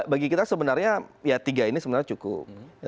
bagi kita sebenarnya ya tiga ini sebenarnya cukup